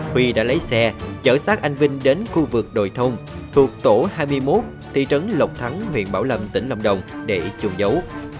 huy đã lấy xe chở xác anh vinh đến khu vực đồi thông thuộc tổ hai mươi một thị trấn lộc thắng huyện bảo lâm tỉnh lâm đồng để chu giấu